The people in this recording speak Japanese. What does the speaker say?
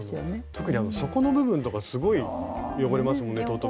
特に底の部分とかすごい汚れますもんね。